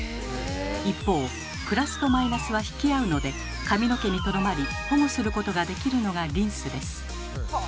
一方プラスとマイナスは引き合うので髪の毛にとどまり保護することができるのがリンスです。